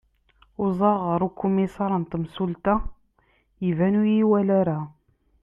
uẓaɣ ɣer ukumisar n temsulta iban ur iyi-iwali ara